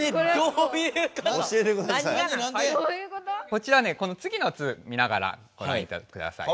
こちらねこのつぎの図見ながらごらんください。